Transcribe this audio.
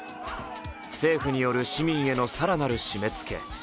政府による市民への更なる締めつけ。